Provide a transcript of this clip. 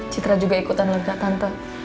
citra juga ikutan lega tante